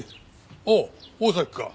おお大崎か。